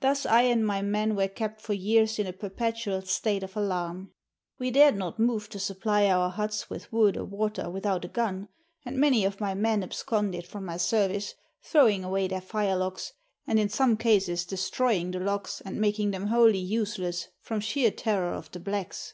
Thus I and my men were kept for years in a perpetual state of 152 Letters from Victorian Pioneers. alarm. We dared not move to supply our huts with wood or water without a gun, and many of my men absconded from my service, throwing away their firelocks, and in some cases destroying the locks and making them wholly useless from sheer terror of the blacks.